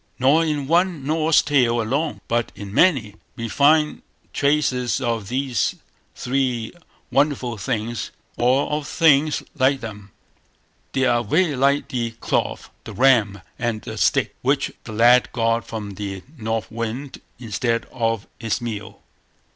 Nor in one Norse tale alone, but in many, we find traces of these three wonderful things, or of things like them. They are very like the cloth, the ram, and the stick, which the lad got from the North Wind instead of his meal.